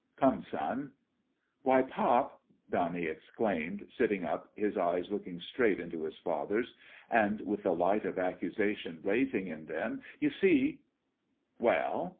" Come, son !"" Why, pop," Donnie exclaimed, sitting up, his eyes looking straight into his father's, and with the light of accusation blazing in them, "you see " "Well?"